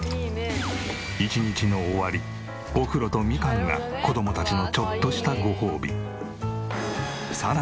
１日の終わりお風呂とみかんが子供たちのちょっとしたごほうび。